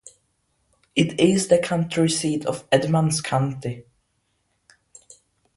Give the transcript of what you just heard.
It is the county seat of Edmunds County.